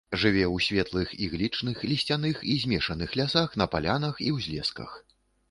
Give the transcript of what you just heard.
Жыве ў светлых іглічных, лісцяных і змешаных лясах на палянах і ўзлесках.